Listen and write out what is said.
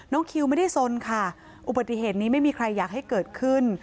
คิวไม่ได้สนค่ะอุบัติเหตุนี้ไม่มีใครอยากให้เกิดขึ้น